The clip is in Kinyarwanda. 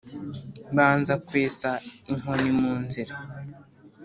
abanza kwesa inkoni mu nzira